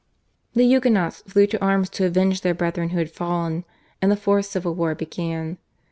The Huguenots flew to arms to avenge their brethren who had fallen, and the fourth civil war began.